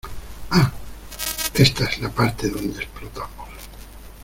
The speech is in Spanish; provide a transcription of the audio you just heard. ¡ Ah! ¡ ésta es la parte donde explotamos !